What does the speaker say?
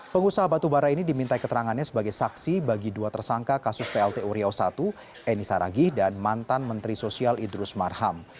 pengusaha batubara ini diminta keterangannya sebagai saksi bagi dua tersangka kasus plt uriau i eni saragih dan mantan menteri sosial idrus marham